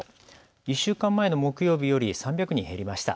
１週間前の木曜日より３００人減りました。